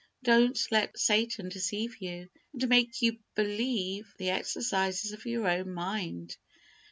Don't let Satan deceive you, and make you belie the exercises of your own mind.